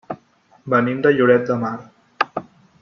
Venim de Lloret de Mar.